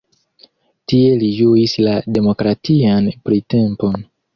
Tie li ĝuis la demokratian printempon.